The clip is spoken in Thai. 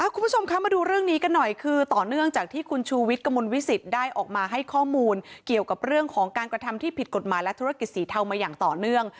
คุณผู้ชมคะมาดูเรื่องนี้กันหน่อยคือต่อเนื่องจากที่คุณชูวิทย์กระมวลวิสิตได้ออกมาให้ข้อมูลเกี่ยวกับเรื่องของการกระทำที่ผิดกฎหมายและธุรกิจสีเทามาอย่างต่อเนื่อง